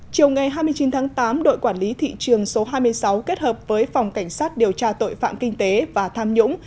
chiều ngày hai mươi chín tháng tám đội quản lý thị trường số hai mươi sáu kết hợp với phòng cảnh sát điều tra tội phạm kinh tế và tham nhũng